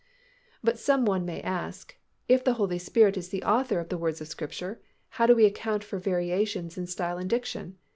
But some one may ask, "If the Holy Spirit is the author of the words of Scripture, how do we account for variations in style and diction?